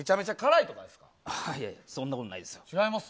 いやいや、そんなことないで違います？